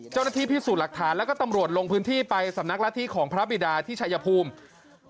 เจ้าหน้าที่พิสูจน์หลักฐานแล้วก็ตำรวจลงพื้นที่ไปสำนักละที่ของพระบิดาที่ชายภูมิ